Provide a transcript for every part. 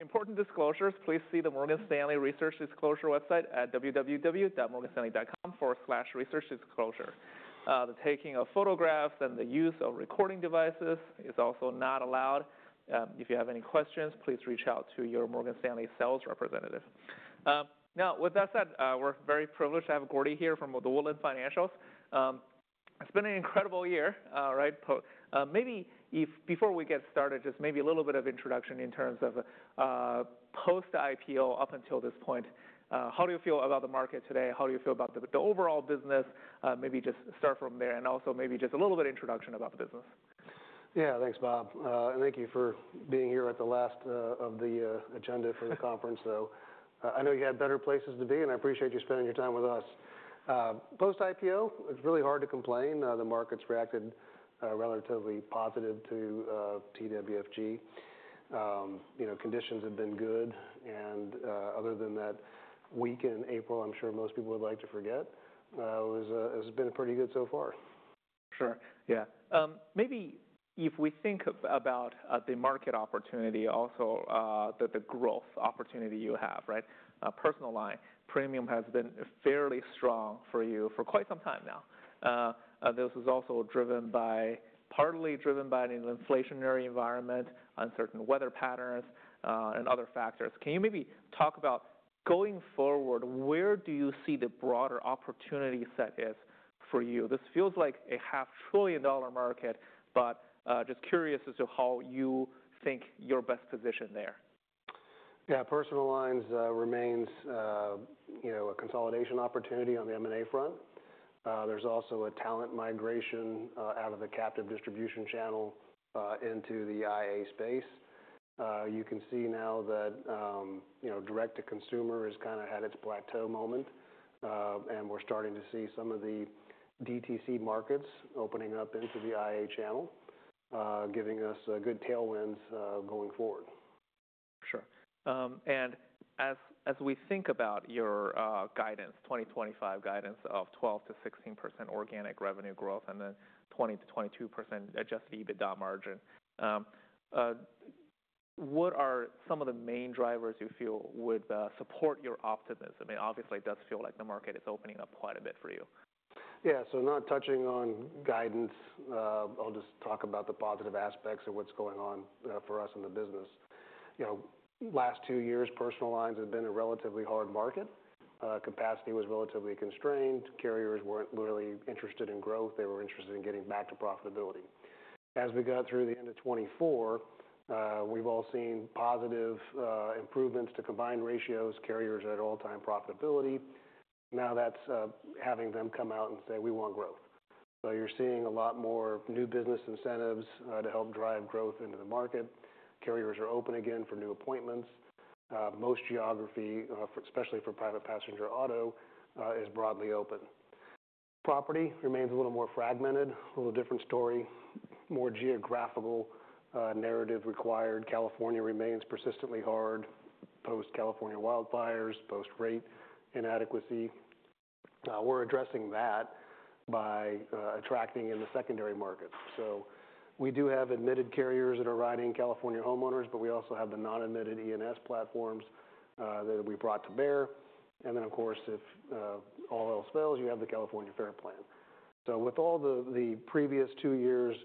Important disclosures: please see the Morgan Stanley Research Disclosure website at www.morganstanley.com/researchdisclosure. The taking of photographs and the use of recording devices is also not allowed. If you have any questions, please reach out to your Morgan Stanley sales representative. Now, with that said, we're very privileged to have Gordy here from The Woodlands Financial Group. It's been an incredible year, right? Maybe before we get started, just maybe a little bit of introduction in terms of post-IPO up until this point. How do you feel about the market today? How do you feel about the overall business? Maybe just start from there and also maybe just a little bit of introduction about the business. Yeah, thanks, Bob. And thank you for being here at the last of the agenda for the conference, though. I know you had better places to be, and I appreciate you spending your time with us. Post-IPO, it's really hard to complain. The market's reacted relatively positive to TWFG. Conditions have been good. And other than that week in April, I'm sure most people would like to forget, it's been pretty good so far. Sure. Yeah. Maybe if we think about the market opportunity, also the growth opportunity you have, right? Personal line premium has been fairly strong for you for quite some time now. This is also driven by, partly driven by an inflationary environment, uncertain weather patterns, and other factors. Can you maybe talk about going forward, where do you see the broader opportunity set is for you? This feels like a $500,000,000,000 market, but just curious as to how you think your best position there. Yeah, personal lines remains a consolidation opportunity on the M&A front. There's also a talent migration out of the captive distribution channel into the IA space. You can see now that direct-to-consumer has kind of had its plateau moment, and we're starting to see some of the DTC markets opening up into the IA channel, giving us good tailwinds going forward. Sure. As we think about your guidance, 2025 guidance of 12%-16% organic revenue growth and then 20%-22% adjusted EBITDA margin, what are some of the main drivers you feel would support your optimism? I mean, obviously, it does feel like the market is opening up quite a bit for you. Yeah, so not touching on guidance, I'll just talk about the positive aspects of what's going on for us in the business. Last two years, personal lines have been a relatively hard market. Capacity was relatively constrained. Carriers weren't literally interested in growth. They were interested in getting back to profitability. As we got through the end of 2024, we've all seen positive improvements to combined ratios, carriers at all-time profitability. Now that's having them come out and say, "We want growth." You are seeing a lot more new business incentives to help drive growth into the market. Carriers are open again for new appointments. Most geography, especially for private passenger auto, is broadly open. Property remains a little more fragmented, a little different story, more geographical narrative required. California remains persistently hard post-California wildfires, post-rate inadequacy. We're addressing that by attracting in the secondary market. We do have admitted carriers that are writing California homeowners, but we also have the non-admitted E&S platforms that we brought to bear. And then, of course, if all else fails, you have the California FAIR Plan. With all the previous two years,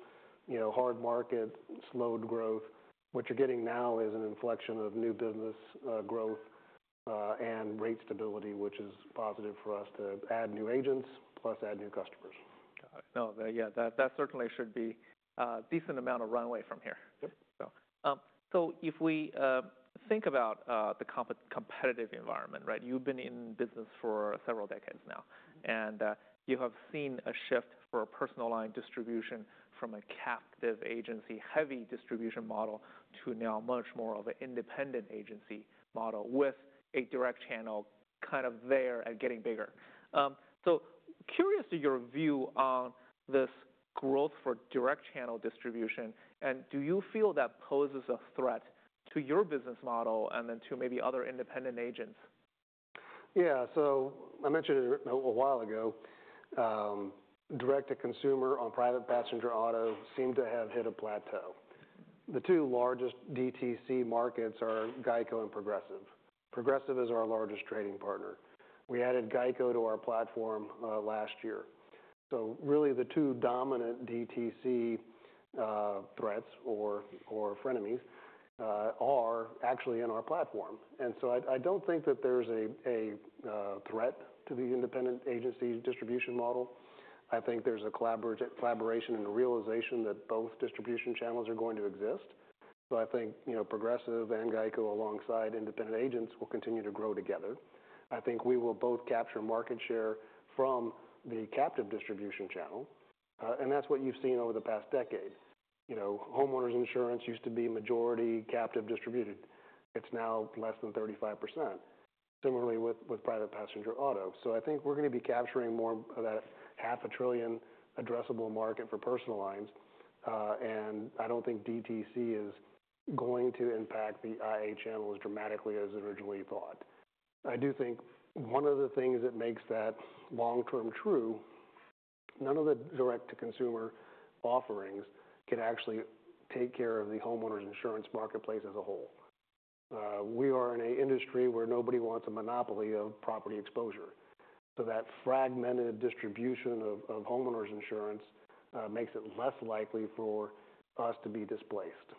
hard market, slowed growth, what you're getting now is an inflection of new business growth and rate stability, which is positive for us to add new agents, plus add new customers. Got it. No, yeah, that certainly should be a decent amount of runway from here. If we think about the competitive environment, right, you've been in business for several decades now, and you have seen a shift for personal line distribution from a captive agency-heavy distribution model to now much more of an independent agency model with a direct channel kind of there and getting bigger. Curious to your view on this growth for direct channel distribution, and do you feel that poses a threat to your business model and then to maybe other independent agents? Yeah, so I mentioned it a while ago. Direct-to-consumer on private passenger auto seemed to have hit a plateau. The two largest DTC markets are GEICO and Progressive. Progressive is our largest trading partner. We added GEICO to our platform last year. Really, the two dominant DTC threats or frenemies are actually in our platform. I don't think that there's a threat to the independent agency distribution model. I think there's a collaboration and a realization that both distribution channels are going to exist. I think Progressive and GEICO alongside independent agents will continue to grow together. I think we will both capture market share from the captive distribution channel. That's what you've seen over the past decade. Homeowners insurance used to be majority captive distributed. It's now less than 35%, similarly with private passenger auto. I think we're going to be capturing more of that $500 billion addressable market for personal lines. I don't think DTC is going to impact the IA channels dramatically as originally thought. I do think one of the things that makes that long-term true, none of the direct-to-consumer offerings can actually take care of the homeowners insurance marketplace as a whole. We are in an industry where nobody wants a monopoly of property exposure. That fragmented distribution of homeowners insurance makes it less likely for us to be displaced.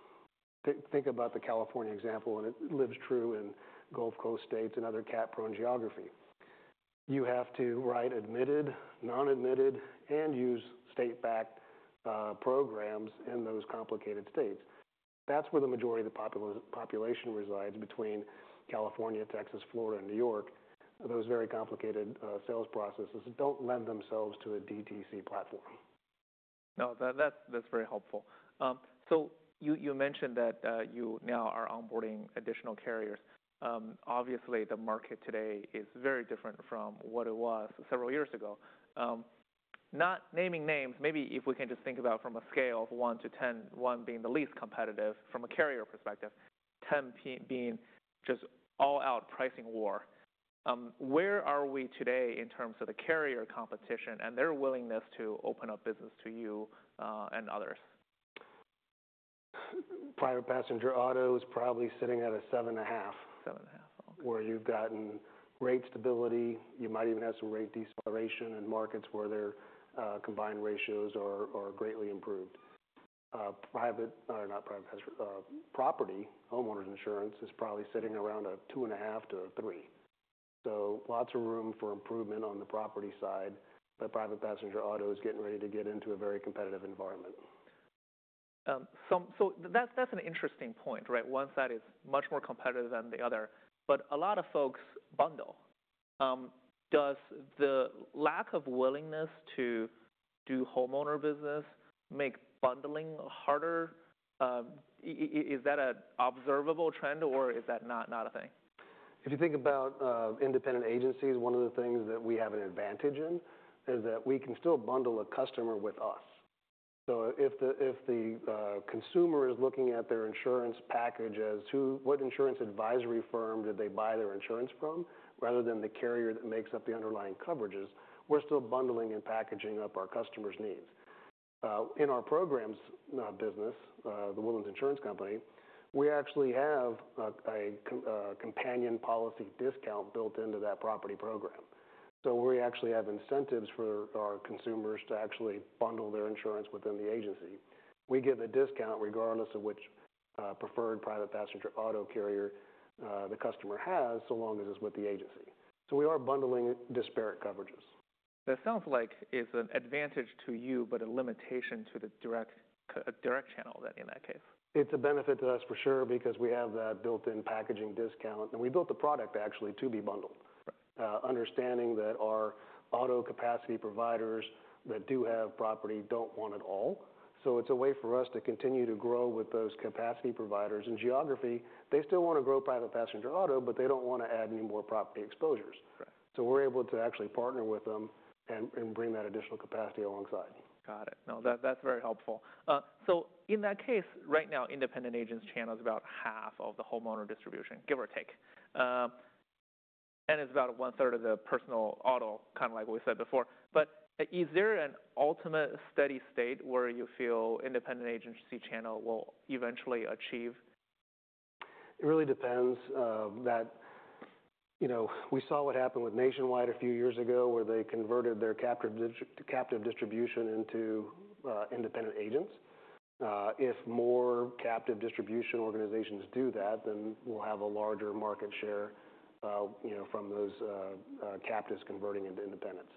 Think about the California example, and it lives true in Gulf Coast states and other cat-prone geography. You have to write admitted, non-admitted, and use state-backed programs in those complicated states. That's where the majority of the population resides between California, Texas, Florida, and New York. Those very complicated sales processes don't lend themselves to a DTC platform. No, that's very helpful. You mentioned that you now are onboarding additional carriers. Obviously, the market today is very different from what it was several years ago. Not naming names, maybe if we can just think about from a scale of 1 to 10, 1 being the least competitive from a carrier perspective, 10 being just all-out pricing war. Where are we today in terms of the carrier competition and their willingness to open up business to you and others? Private passenger auto is probably sitting at a 7.5. Seven and a half. Okay. Where you've gotten rate stability. You might even have some rate deceleration in markets where their combined ratios are greatly improved. Private or not private passenger property, homeowners insurance is probably sitting around a two and a half to three. So lots of room for improvement on the property side, but private passenger auto is getting ready to get into a very competitive environment. That's an interesting point, right? One side is much more competitive than the other, but a lot of folks bundle. Does the lack of willingness to do homeowner business make bundling harder? Is that an observable trend, or is that not a thing? If you think about independent agencies, one of the things that we have an advantage in is that we can still bundle a customer with us. If the consumer is looking at their insurance package as what insurance advisory firm did they buy their insurance from, rather than the carrier that makes up the underlying coverages, we are still bundling and packaging up our customer's needs. In our programs business, the Woodlands Insurance Company, we actually have a companion policy discount built into that property program. We actually have incentives for our consumers to actually bundle their insurance within the agency. We get the discount regardless of which preferred private passenger auto carrier the customer has, so long as it is with the agency. We are bundling disparate coverages. That sounds like it's an advantage to you, but a limitation to the direct channel then in that case. It's a benefit to us for sure because we have that built-in packaging discount. We built the product actually to be bundled, understanding that our auto capacity providers that do have property do not want it all. It is a way for us to continue to grow with those capacity providers. In geography, they still want to grow private passenger auto, but they do not want to add any more property exposures. We are able to actually partner with them and bring that additional capacity alongside. Got it. No, that's very helpful. In that case, right now, independent agents channel is about half of the homeowner distribution, give or take. It's about 1/3 of the personal auto, kind of like we said before. Is there an ultimate steady state where you feel independent agency channel will eventually achieve? It really depends. We saw what happened with Nationwide a few years ago where they converted their captive distribution into independent agents. If more captive distribution organizations do that, then we'll have a larger market share from those captives converting into independents.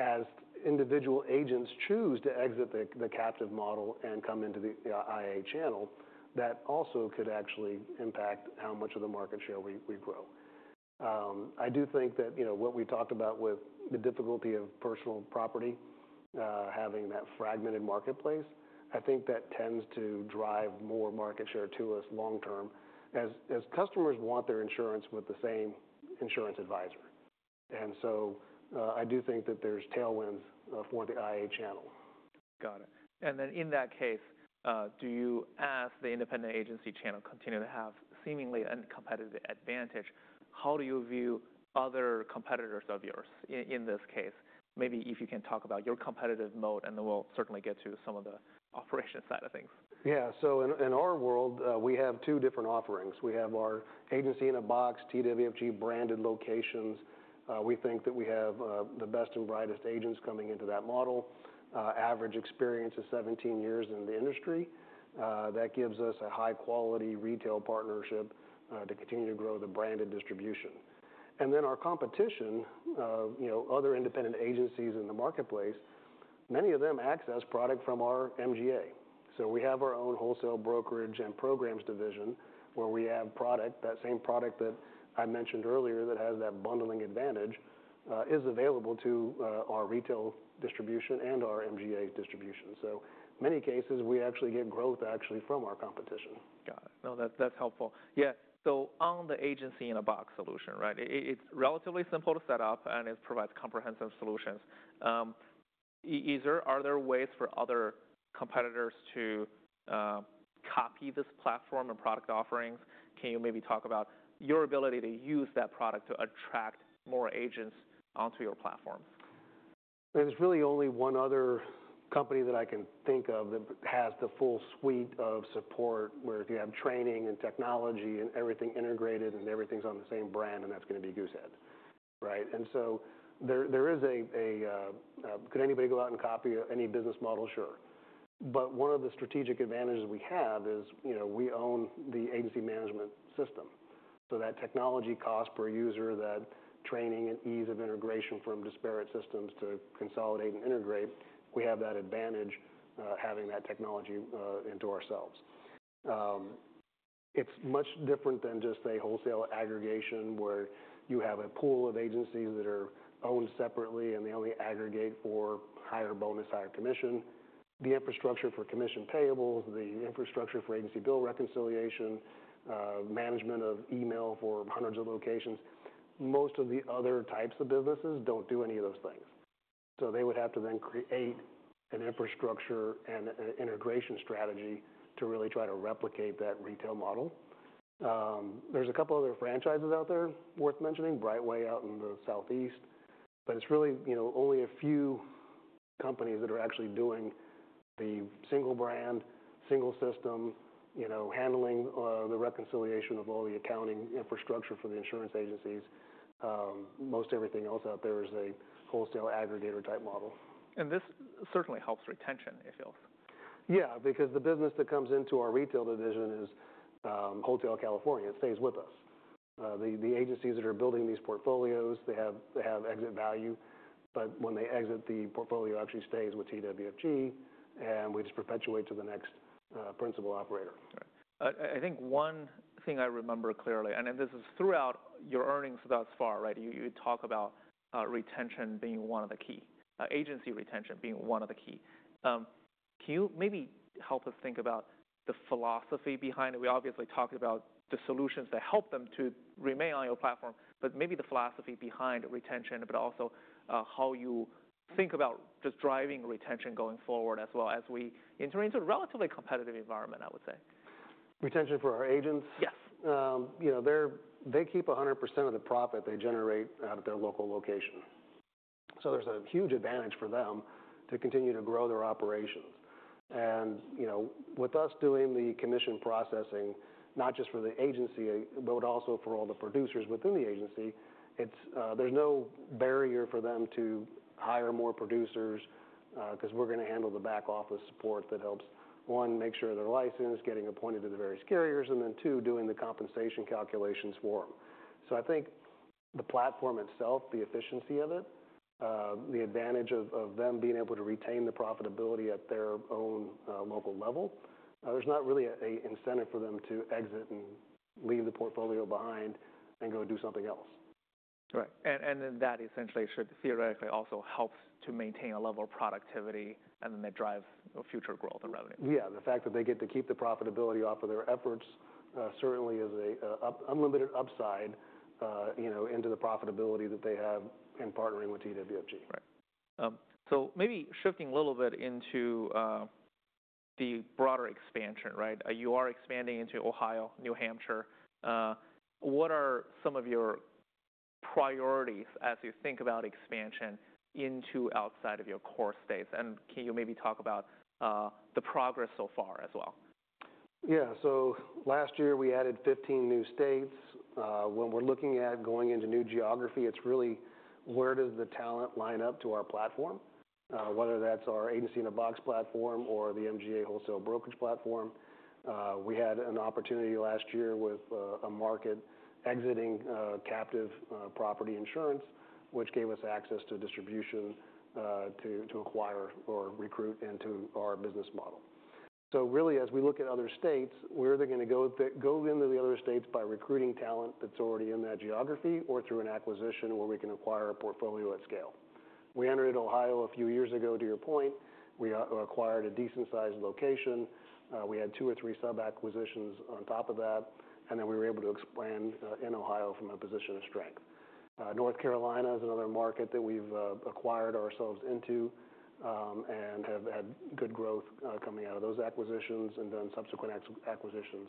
As individual agents choose to exit the captive model and come into the IA channel, that also could actually impact how much of the market share we grow. I do think that what we talked about with the difficulty of personal property, having that fragmented marketplace, I think that tends to drive more market share to us long-term as customers want their insurance with the same insurance advisor. I do think that there's tailwinds for the IA channel. Got it. In that case, do you ask the independent agency channel continue to have seemingly uncompetitive advantage? How do you view other competitors of yours in this case? Maybe if you can talk about your competitive moat, and then we'll certainly get to some of the operation side of things. Yeah. In our world, we have two different offerings. We have our agency in a box, TWFG branded locations. We think that we have the best and brightest agents coming into that model. Average experience is 17 years in the industry. That gives us a high-quality retail partnership to continue to grow the branded distribution. Our competition, other independent agencies in the marketplace, many of them access product from our MGA. We have our own wholesale brokerage and programs division where we have product, that same product that I mentioned earlier that has that bundling advantage, is available to our retail distribution and our MGA distribution. In many cases, we actually get growth actually from our competition. Got it. No, that's helpful. Yeah. On the agency in a box solution, right, it's relatively simple to set up, and it provides comprehensive solutions. Are there ways for other competitors to copy this platform and product offerings? Can you maybe talk about your ability to use that product to attract more agents onto your platforms? There's really only one other company that I can think of that has the full suite of support where you have training and technology and everything integrated and everything's on the same brand, and that's going to be Goosehead, right? Could anybody go out and copy any business model? Sure. One of the strategic advantages we have is we own the agency management system. That technology cost per user, that training and ease of integration from disparate systems to consolidate and integrate, we have that advantage having that technology into ourselves. It's much different than just, say, wholesale aggregation where you have a pool of agencies that are owned separately and they only aggregate for higher bonus, higher commission. The infrastructure for commission payables, the infrastructure for agency bill reconciliation, management of email for hundreds of locations, most of the other types of businesses do not do any of those things. They would have to then create an infrastructure and an integration strategy to really try to replicate that retail model. There are a couple of other franchises out there worth mentioning, Brightway out in the southeast, but it is really only a few companies that are actually doing the single brand, single system, handling the reconciliation of all the accounting infrastructure for the insurance agencies. Most everything else out there is a wholesale aggregator type model. This certainly helps retention, it feels. Yeah, because the business that comes into our retail division is wholesale California. It stays with us. The agencies that are building these portfolios, they have exit value, but when they exit, the portfolio actually stays with TWFG, and we just perpetuate to the next principal operator. I think one thing I remember clearly, and this is throughout your earnings thus far, right, you talk about retention being one of the key, agency retention being one of the key. Can you maybe help us think about the philosophy behind it? We obviously talked about the solutions that help them to remain on your platform, but maybe the philosophy behind retention, but also how you think about just driving retention going forward as well as we enter into a relatively competitive environment, I would say. Retention for our agents. Yes. They keep 100% of the profit they generate out of their local location. There is a huge advantage for them to continue to grow their operations. With us doing the commission processing, not just for the agency, but also for all the producers within the agency, there is no barrier for them to hire more producers because we are going to handle the back office support that helps, one, make sure they are licensed, getting appointed to the various carriers, and then, two, doing the compensation calculations for them. I think the platform itself, the efficiency of it, the advantage of them being able to retain the profitability at their own local level, there is not really an incentive for them to exit and leave the portfolio behind and go do something else. Right. That essentially should theoretically also help to maintain a level of productivity and then that drives future growth and revenue. Yeah. The fact that they get to keep the profitability off of their efforts certainly is an unlimited upside into the profitability that they have in partnering with TWFG. Right. Maybe shifting a little bit into the broader expansion, right? You are expanding into Ohio, New Hampshire. What are some of your priorities as you think about expansion into outside of your core states? Can you maybe talk about the progress so far as well? Yeah. Last year, we added 15 new states. When we're looking at going into new geography, it's really where does the talent line up to our platform, whether that's our agency in a box platform or the MGA wholesale brokerage platform. We had an opportunity last year with a market exiting captive property insurance, which gave us access to distribution to acquire or recruit into our business model. Really, as we look at other states, we're either going to go into the other states by recruiting talent that's already in that geography or through an acquisition where we can acquire a portfolio at scale. We entered Ohio a few years ago, to your point. We acquired a decent-sized location. We had two or three sub-acquisitions on top of that, and then we were able to expand in Ohio from a position of strength. North Carolina is another market that we've acquired ourselves into and have had good growth coming out of those acquisitions and done subsequent acquisitions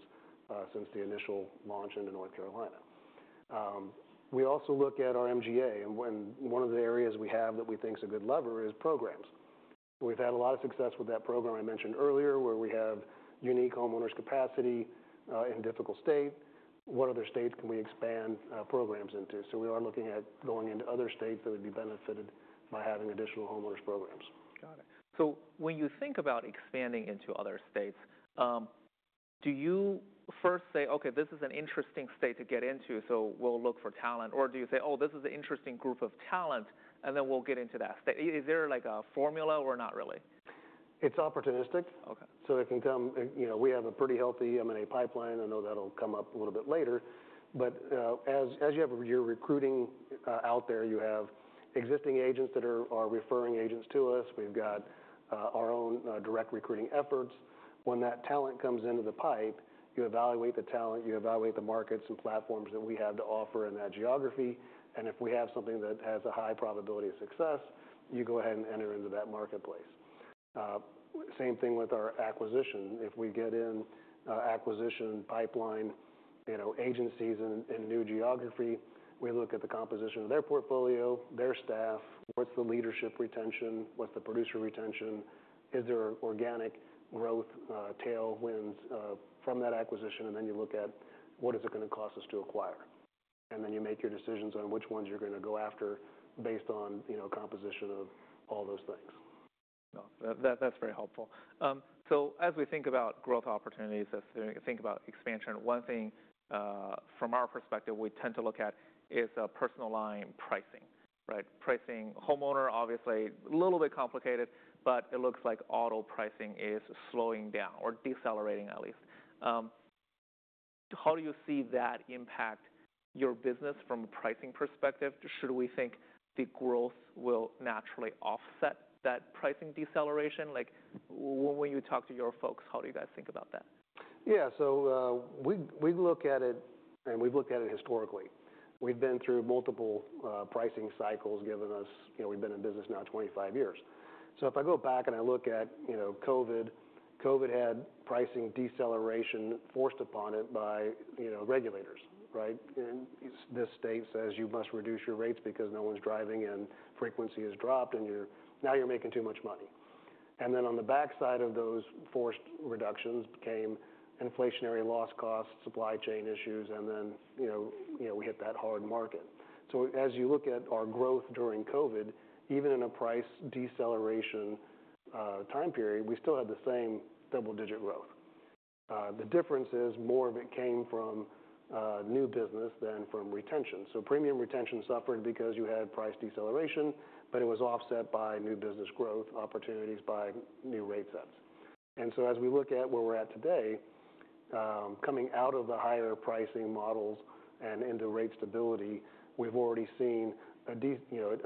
since the initial launch into North Carolina. We also look at our MGA, and one of the areas we have that we think is a good lever is programs. We've had a lot of success with that program I mentioned earlier where we have unique homeowners' capacity in a difficult state. What other states can we expand programs into? We are looking at going into other states that would be benefited by having additional homeowners' programs. Got it. When you think about expanding into other states, do you first say, "Okay, this is an interesting state to get into, so we'll look for talent," or do you say, "Oh, this is an interesting group of talent, and then we'll get into that state"? Is there like a formula or not really? It's opportunistic. It can come, we have a pretty healthy M&A pipeline. I know that'll come up a little bit later. As you have your recruiting out there, you have existing agents that are referring agents to us. We've got our own direct recruiting efforts. When that talent comes into the pipe, you evaluate the talent, you evaluate the markets and platforms that we have to offer in that geography. If we have something that has a high probability of success, you go ahead and enter into that marketplace. Same thing with our acquisition. If we get in acquisition pipeline agencies in new geography, we look at the composition of their portfolio, their staff, what's the leadership retention, what's the producer retention, is there organic growth, tailwinds from that acquisition, and then you look at what is it going to cost us to acquire. You make your decisions on which ones you're going to go after based on composition of all those things. That's very helpful. As we think about growth opportunities, as we think about expansion, one thing from our perspective we tend to look at is personal line pricing, right? Pricing homeowner, obviously, a little bit complicated, but it looks like auto pricing is slowing down or decelerating at least. How do you see that impact your business from a pricing perspective? Should we think the growth will naturally offset that pricing deceleration? When you talk to your folks, how do you guys think about that? Yeah. So we look at it, and we've looked at it historically. We've been through multiple pricing cycles given us we've been in business now 25 years. If I go back and I look at COVID, COVID had pricing deceleration forced upon it by regulators, right? This state says, "You must reduce your rates because no one's driving and frequency has dropped, and now you're making too much money." On the backside of those forced reductions came inflationary loss costs, supply chain issues, and then we hit that hard market. As you look at our growth during COVID, even in a price deceleration time period, we still had the same double-digit growth. The difference is more of it came from new business than from retention. Premium retention suffered because you had price deceleration, but it was offset by new business growth opportunities, by new rate sets. As we look at where we're at today, coming out of the higher pricing models and into rate stability, we've already seen a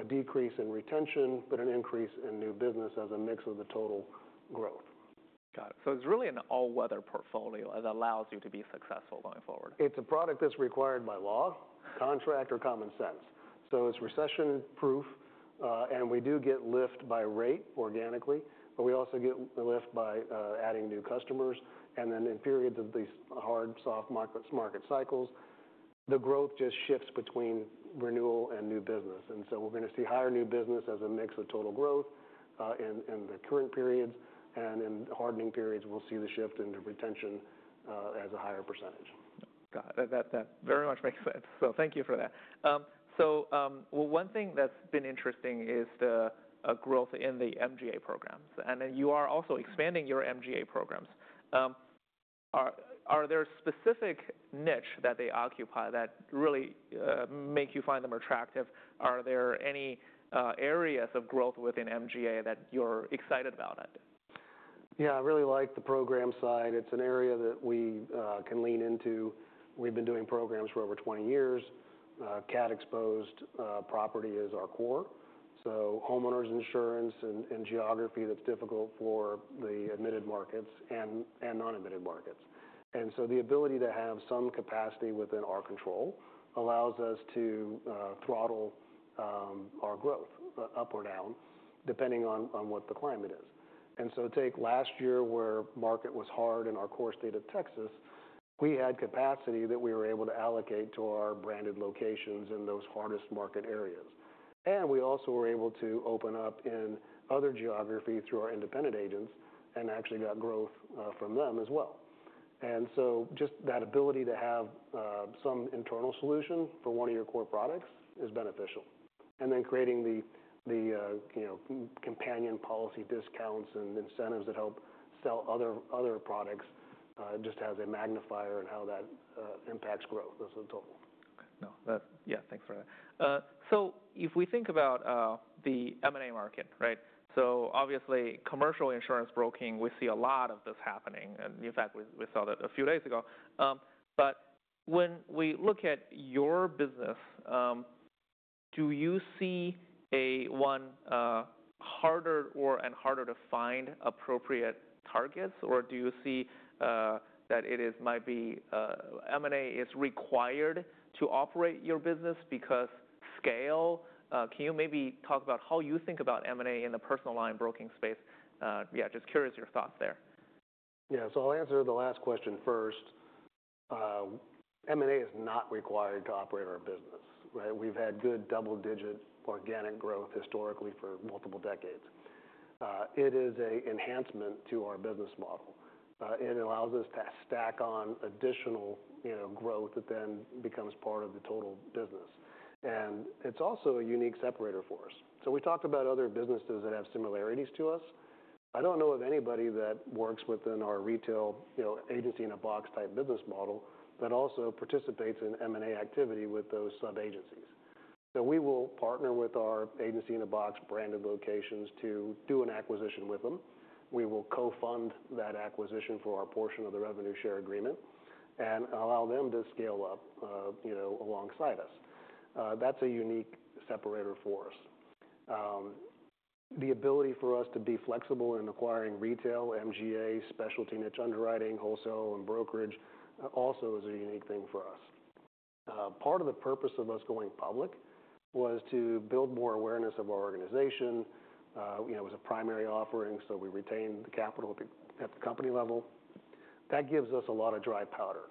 decrease in retention, but an increase in new business as a mix of the total growth. Got it. So it's really an all-weather portfolio that allows you to be successful going forward. It's a product that's required by law, contract, or common sense. It is recession-proof, and we do get lift by rate organically, but we also get lift by adding new customers. In periods of these hard soft market cycles, the growth just shifts between renewal and new business. We're going to see higher new business as a mix of total growth in the current periods. In hardening periods, we'll see the shift into retention as a higher percentage. Got it. That very much makes sense. Thank you for that. One thing that's been interesting is the growth in the MGA programs. You are also expanding your MGA programs. Are there specific niche that they occupy that really make you find them attractive? Are there any areas of growth within MGA that you're excited about? Yeah. I really like the program side. It's an area that we can lean into. We've been doing programs for over 20 years. Cat-exposed property is our core. So homeowners' insurance and geography that's difficult for the admitted markets and non-admitted markets. The ability to have some capacity within our control allows us to throttle our growth up or down, depending on what the climate is. Take last year where market was hard in our core state of Texas, we had capacity that we were able to allocate to our branded locations in those hardest market areas. We also were able to open up in other geography through our independent agents and actually got growth from them as well. Just that ability to have some internal solution for one of your core products is beneficial. Creating the companion policy discounts and incentives that help sell other products just has a magnifier in how that impacts growth as a total. Yeah. Thanks for that. If we think about the M&A market, right? Obviously, commercial insurance broking, we see a lot of this happening. In fact, we saw that a few days ago. When we look at your business, do you see a harder or harder to find appropriate targets, or do you see that it might be M&A is required to operate your business because scale? Can you maybe talk about how you think about M&A in the personal line broking space? Yeah, just curious your thoughts there. Yeah. I'll answer the last question first. M&A is not required to operate our business, right? We've had good double-digit organic growth historically for multiple decades. It is an enhancement to our business model. It allows us to stack on additional growth that then becomes part of the total business. It's also a unique separator for us. We talked about other businesses that have similarities to us. I don't know of anybody that works within our retail agency in a box type business model that also participates in M&A activity with those sub-agencies. We will partner with our agency in a box branded locations to do an acquisition with them. We will co-fund that acquisition for our portion of the revenue share agreement and allow them to scale up alongside us. That's a unique separator for us. The ability for us to be flexible in acquiring retail, MGA, specialty niche underwriting, wholesale, and brokerage also is a unique thing for us. Part of the purpose of us going public was to build more awareness of our organization. It was a primary offering, so we retained the capital at the company level. That gives us a lot of dry powder.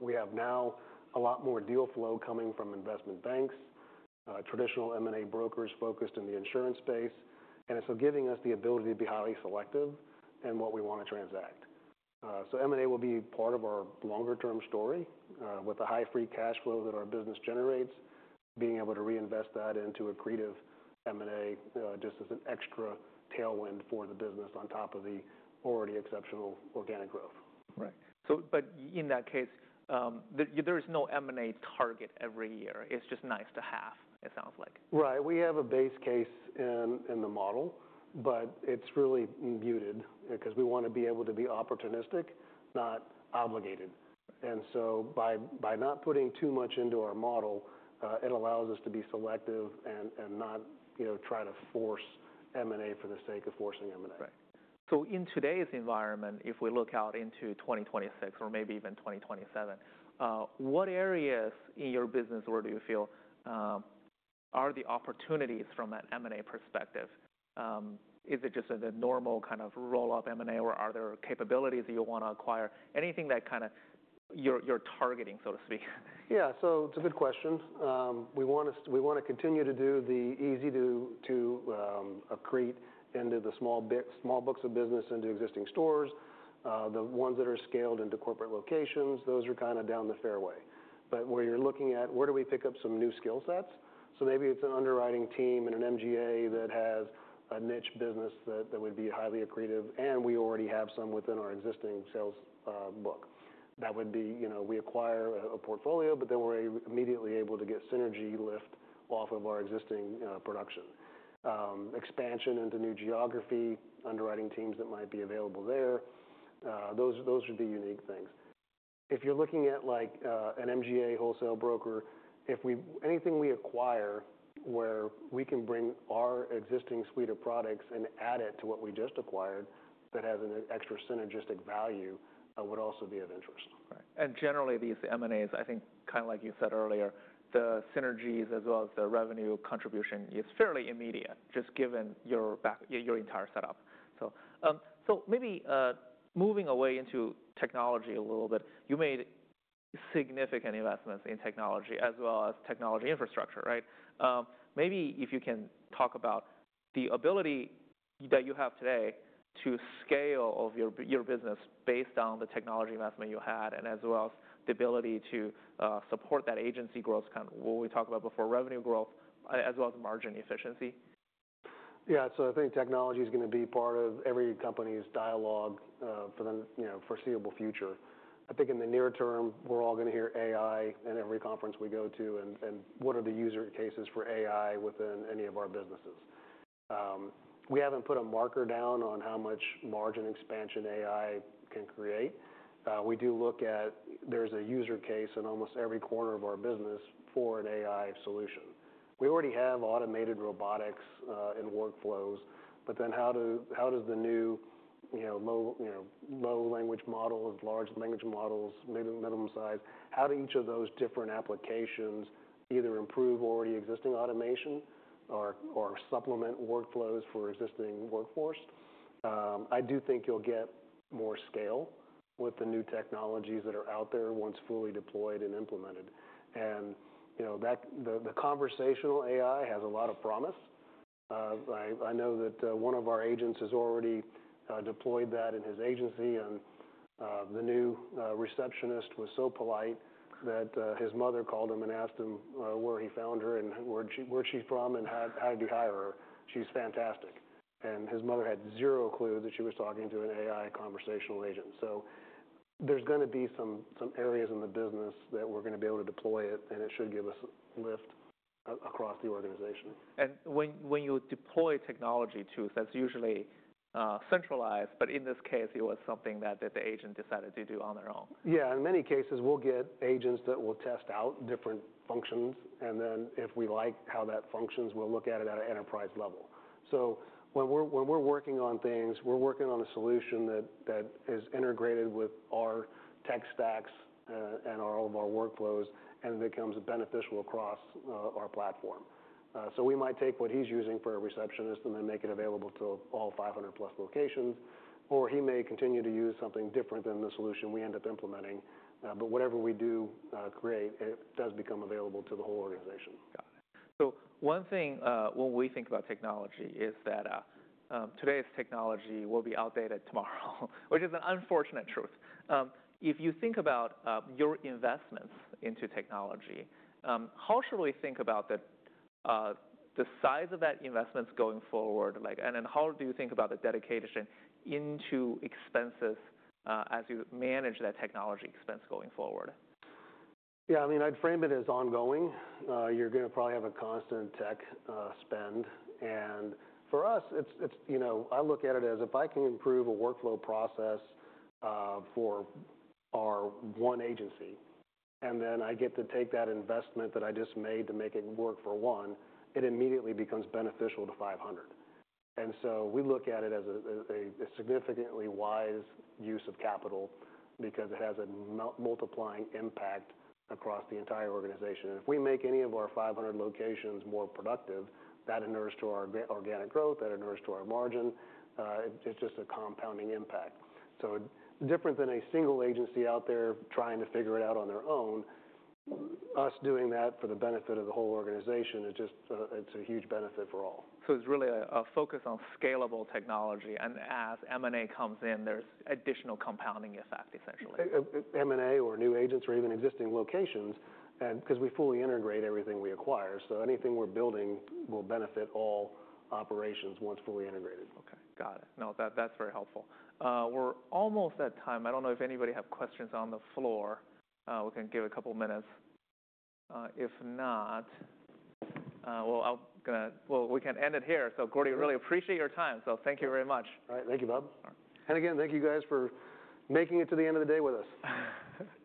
We have now a lot more deal flow coming from investment banks, traditional M&A brokers focused in the insurance space, and it's giving us the ability to be highly selective in what we want to transact. M&A will be part of our longer-term story with the high free cash flow that our business generates, being able to reinvest that into a creative M&A just as an extra tailwind for the business on top of the already exceptional organic growth. Right. In that case, there is no M&A target every year. It's just nice to have, it sounds like. Right. We have a base case in the model, but it's really muted because we want to be able to be opportunistic, not obligated. By not putting too much into our model, it allows us to be selective and not try to force M&A for the sake of forcing M&A. Right. In today's environment, if we look out into 2026 or maybe even 2027, what areas in your business where do you feel are the opportunities from that M&A perspective? Is it just a normal kind of roll-up M&A, or are there capabilities that you want to acquire? Anything that kind of you're targeting, so to speak. Yeah. So it's a good question. We want to continue to do the easy to accrete into the small books of business into existing stores. The ones that are scaled into corporate locations, those are kind of down the fairway. Where you're looking at, where do we pick up some new skill sets? Maybe it's an underwriting team and an MGA that has a niche business that would be highly accretive, and we already have some within our existing sales book. That would be we acquire a portfolio, but then we're immediately able to get synergy lift off of our existing production. Expansion into new geography, underwriting teams that might be available there. Those would be unique things. If you're looking at an MGA wholesale broker, anything we acquire where we can bring our existing suite of products and add it to what we just acquired that has an extra synergistic value would also be of interest. Right. Generally, these M&As, I think kind of like you said earlier, the synergies as well as the revenue contribution is fairly immediate just given your entire setup. Maybe moving away into technology a little bit, you made significant investments in technology as well as technology infrastructure, right? Maybe if you can talk about the ability that you have today to scale your business based on the technology investment you had and as well as the ability to support that agency growth, kind of what we talked about before, revenue growth, as well as margin efficiency. Yeah. I think technology is going to be part of every company's dialogue for the foreseeable future. I think in the near term, we're all going to hear AI in every conference we go to and what are the user cases for AI within any of our businesses. We haven't put a marker down on how much margin expansion AI can create. We do look at there's a user case in almost every corner of our business for an AI solution. We already have automated robotics and workflows, but then how do the new low-language models, large-language models, maybe minimum size, how do each of those different applications either improve already existing automation or supplement workflows for existing workforce? I do think you'll get more scale with the new technologies that are out there once fully deployed and implemented. The conversational AI has a lot of promise. I know that one of our agents has already deployed that in his agency, and the new receptionist was so polite that his mother called him and asked him where he found her and where she's from and how did he hire her. She's fantastic. His mother had zero clue that she was talking to an AI conversational agent. There are going to be some areas in the business that we're going to be able to deploy it, and it should give us lift across the organization. When you deploy technology tools, that's usually centralized, but in this case, it was something that the agent decided to do on their own. Yeah. In many cases, we'll get agents that will test out different functions, and then if we like how that functions, we'll look at it at an enterprise level. When we're working on things, we're working on a solution that is integrated with our tech stacks and all of our workflows, and it becomes beneficial across our platform. We might take what he's using for a receptionist and then make it available to all 500+ locations, or he may continue to use something different than the solution we end up implementing. Whatever we do create, it does become available to the whole organization. Got it. One thing when we think about technology is that today's technology will be outdated tomorrow, which is an unfortunate truth. If you think about your investments into technology, how should we think about the size of that investment going forward? How do you think about the dedication into expenses as you manage that technology expense going forward? Yeah. I mean, I'd frame it as ongoing. You're going to probably have a constant tech spend. For us, I look at it as if I can improve a workflow process for our one agency, and then I get to take that investment that I just made to make it work for one, it immediately becomes beneficial to 500. We look at it as a significantly wise use of capital because it has a multiplying impact across the entire organization. If we make any of our 500 locations more productive, that inners to our organic growth, that inners to our margin, it's just a compounding impact. Different than a single agency out there trying to figure it out on their own, us doing that for the benefit of the whole organization, it's a huge benefit for all. It's really a focus on scalable technology. And as M&A comes in, there's additional compounding effect, essentially. M&A or new agents or even existing locations, because we fully integrate everything we acquire. So anything we're building will benefit all operations once fully integrated. Okay. Got it. No, that's very helpful. We're almost at time. I don't know if anybody has questions on the floor. We can give a couple of minutes. If not, we can end it here. Gordy, I really appreciate your time. Thank you very much. All right. Thank you, Bob. Again, thank you guys for making it to the end of the day with us. Yeah.